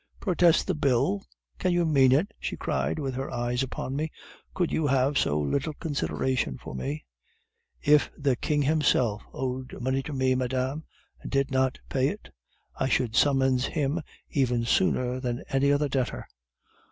"'"Protest the bill! Can you mean it?" she cried, with her eyes upon me; "could you have so little consideration for me?" "'"If the King himself owed money to me, madame, and did not pay it, I should summons him even sooner than any other debtor."